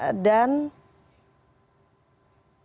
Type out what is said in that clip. pengembangan vaksinasi lansia